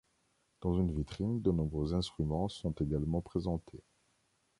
Dans une vitrine de nombreux instruments sont également présentés.